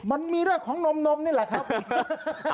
มันมีเรื่องของนมนี่แหละครับ